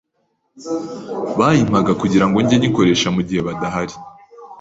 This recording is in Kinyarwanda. bayimpaga ngo jyenyikoresha mu gihe badahari